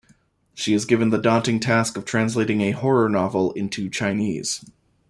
She is given the daunting task of translating a horror novel into Chinese.